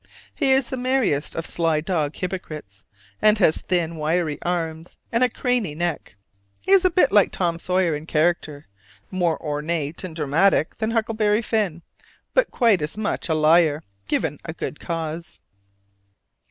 He is the merriest of sly dog hypocrites, and has thin, wiry arms and a craney neck. He is a bit like Tom Sawyer in character, more ornate and dramatic than Huckleberry Finn, but quite as much a liar, given a good cause.